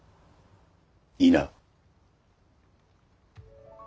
いいな。